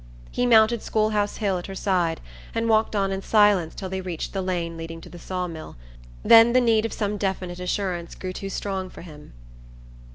He mounted School House Hill at her side and walked on in silence till they reached the lane leading to the saw mill; then the need of some definite assurance grew too strong for him.